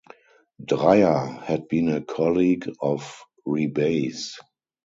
Dreier had been a colleague of Rebay's.